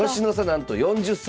なんと４０歳。